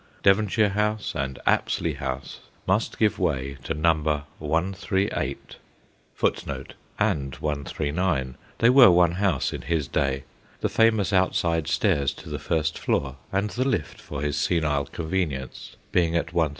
Devonshire House and Apsley House must give way to No. 138. 1 Half a century ago 1 And 139. They were one house in his day ; the famous outside stairs to the first floor, and the lift for his senile con venience being at 138.